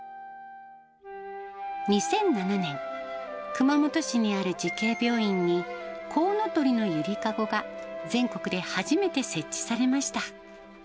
２００７年、熊本市にある慈恵病院に、こうのとりのゆりかごが、全国で初めて設置されました。